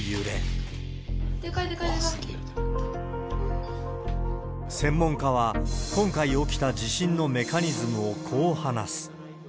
でかい、専門家は、今回起きた地震のメカニズムをこう話す。